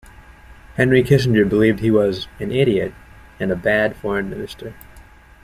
Henry Kissinger believed he was "an idiot" and a "bad" foreign minister.